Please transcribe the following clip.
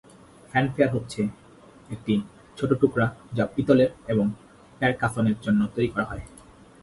Fanfare হচ্ছে একটি ছোট টুকরা যা পিতলের এবং প্যারকাসনের জন্য তৈরি করা হয়।